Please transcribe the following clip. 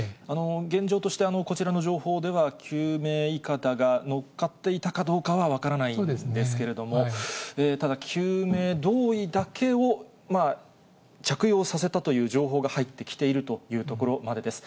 現状として、こちらの情報では、救命いかだがのっかっていたかどうかは分からないんですけれども、ただ、救命胴衣だけを着用させたという情報が入ってきているというところまでです。